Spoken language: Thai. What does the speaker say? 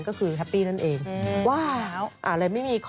เพื่อนพี่ส่งมาจากเวริส